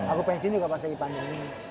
aku pensiun juga pas lagi pandemi